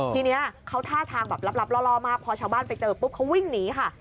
ทีนี้เขาท่าทางแบบลับล่อมากพอชาวบ้านไปเจอปุ๊บเขาวิ่งหนีค่ะ